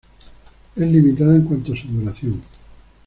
Es "limitada en cuanto a su duración.